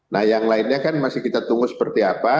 nah yang lainnya kan masih kita tunggu seperti apa